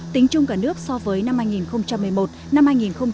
tính chung cả nước so với năm hai nghìn một mươi một hai nghìn một mươi chín